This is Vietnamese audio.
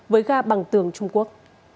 với ga bằng tường trung quốc